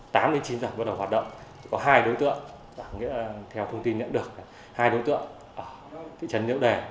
từ ngày tám đến chín giờ bắt đầu hoạt động có hai đối tượng theo thông tin nhận được hai đối tượng ở thị trấn niễu đè